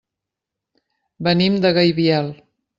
Venim de Gaibiel.